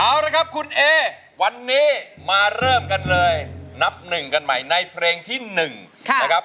เอาละครับคุณเอวันนี้มาเริ่มกันเลยนับหนึ่งกันใหม่ในเพลงที่๑นะครับ